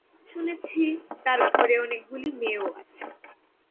শুনেছি তার ঘরে অনেকগুলি মেয়েও আছে।